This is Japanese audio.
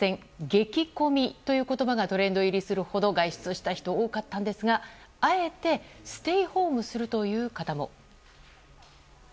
激混みという言葉がトレンド入りするほど外出した人が多かったんですが、あえてステイホームするという方も。